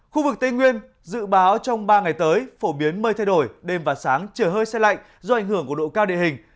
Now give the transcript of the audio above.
khu vực tây nguyên dự báo trong ba ngày tới phổ biến mây thay đổi đêm và sáng trời hơi xe lạnh do ảnh hưởng của độ cao địa hình